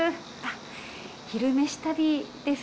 「昼めし旅」です。